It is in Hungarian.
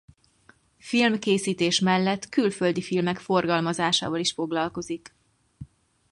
Filmkészítés mellett külföldi filmek forgalmazásával is foglalkozik.